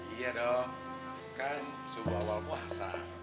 iya dong kan subuh awal puasa